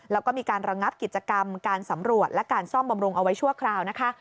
แล้วก็มีการระงับกิจกรรมการสำรวจและการซ่อมบำรุงเอาไว้ชั่วคราวนะคะ